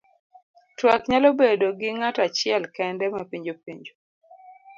Twak nyalo bedo gi ng'ato achiel kende mapenjo penjo.